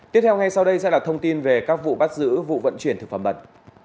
tiếp theo ngay sau đây sẽ là thông tin về các vụ bắt giữ vụ vận chuyển thực phẩm bẩn